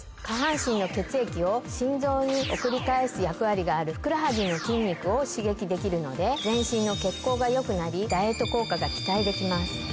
下半身の血液を心臓に送り返す役割があるふくらはぎの筋肉を刺激できるので全身の血行が良くなりダイエット効果が期待できます。